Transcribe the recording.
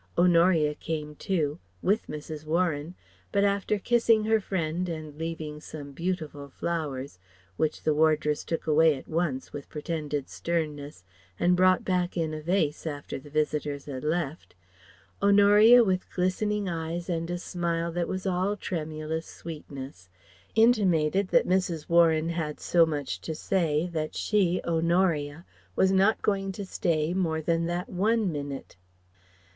Honoria came too with Mrs. Warren but after kissing her friend and leaving some beautiful flowers (which the wardress took away at once with pretended sternness and brought back in a vase after the visitors had left) Honoria with glistening eyes and a smile that was all tremulous sweetness, intimated that Mrs. Warren had so much to say that she, Honoria, was not going to stay more than that one minute.